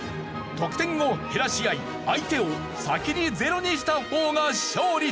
得点を減らし合い相手を先にゼロにした方が勝利となる。